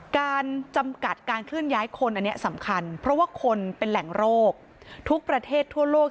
การจำกัดการเคลื่อนย้ายคนอันนี้สำคัญเพราะว่าคนเป็นแหล่งโรคทุกประเทศทั่วโลก